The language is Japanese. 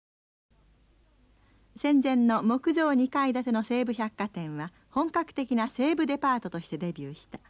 戦前の木造２階建ての西武百貨店は本格的な西武デパートとしてデビューした。